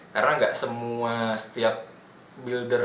karena tidak semua setiap builder